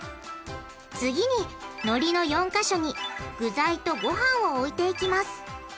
次にのりの４か所に具材とごはんを置いていきます。